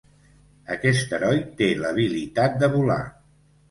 Aquest heroi té l'habilitat de volar.